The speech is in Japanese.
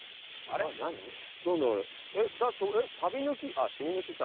あっ「しみ抜き」か。